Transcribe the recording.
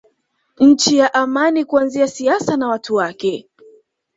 Nchi ya amani kuanzia siasa na watu wake